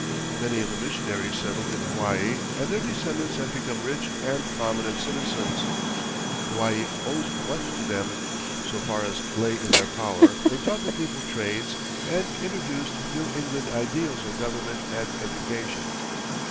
Many of the missionaries settled in Hawaii, and their descendants have become rich and prominent citizens. Hawaii owes much to them. So far as lay in their power, they taught the people trades and introduced New England ideals of government and education.